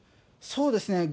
そうですね。